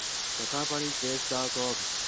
The company is based out of Minneapolis, Minnesota.